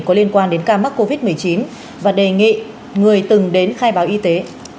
có liên quan đến ca mắc covid một mươi chín và đề nghị người từng đến khai báo y tế